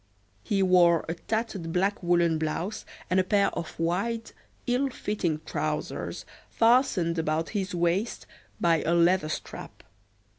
He wore a tattered black woolen blouse and a pair of wide, ill fitting trousers, fastened about his waist by a leather strap.